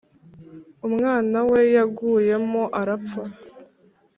Umwana we yaguyemo arapfa